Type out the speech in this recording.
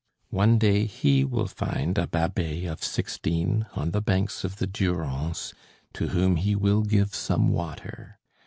One day, he will find a Babet of sixteen, on the banks of the Durance, to whom he will give some water.